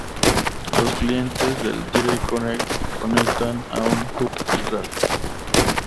Los clientes de Direct Connect conectan a un hub central.